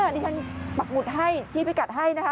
ดิฉันปักหมุดให้ชี้พิกัดให้นะคะ